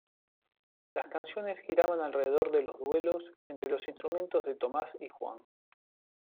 Las canciones giraban alrededor de los duelos entre los instrumentos de Tomás y Juan.